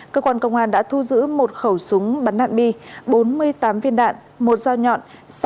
cơ quan công an đã thu giữ một khẩu súng bắn đạn bi bốn mươi tám viên đạn một dao nhọn